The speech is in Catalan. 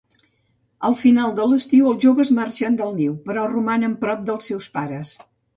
Al final de l'estiu, els joves marxen del niu, però romanen prop dels seus pares.